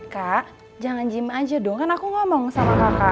kak jangan gym aja dong kan aku ngomong sama kakak